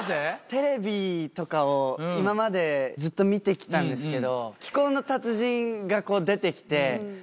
テレビとかを今までずっと見てきたんですけど。